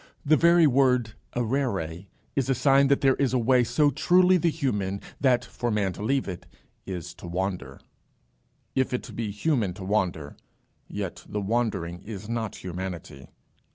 The very word errare is a sign that there is a way so truly the human that, for a man to leave it, is to wander. If it be human to wander, yet the wandering is not humanity.